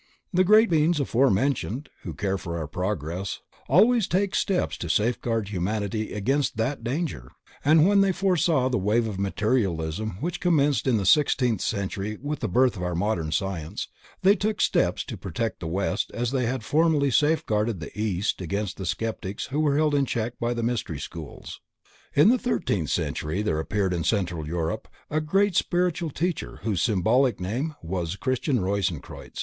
The Great Beings aforementioned, Who care for our progress, always take steps to safeguard humanity against that danger, and when they foresaw the wave of materialism which commenced in the sixteenth century with the birth of our modern Science, they took steps to protect the West as they had formerly safeguarded the East against the Sceptics who were held in check by the Mystery schools. In the thirteenth century there appeared in central Europe a great spiritual teacher whose symbolical name was Christian Rosenkreuz.